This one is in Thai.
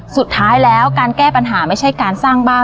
สุดท้ายแล้วการแก้ปัญหาไม่ใช่การสร้างบ้าน